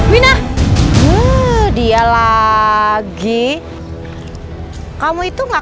wina dia lagi kamu itu enggak